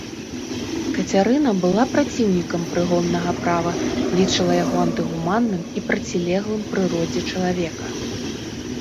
Кацярына была праціўнікам прыгоннага права, лічыла яго антыгуманным і процілеглым прыродзе чалавека.